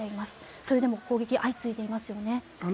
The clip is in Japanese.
それでも攻撃が相次いでいますよね。